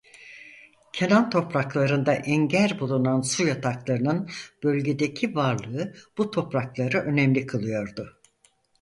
Kenan topraklarında ender bulunan su yataklarının bölgedeki varlığı bu toprakları önemli kılıyordu.